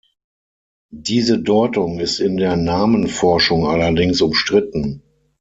Diese Deutung ist in der Namenforschung allerdings umstritten.